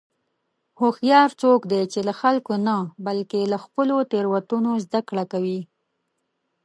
هوښیار څوک دی چې له خلکو نه، بلکې له خپلو تېروتنو زدهکړه کوي.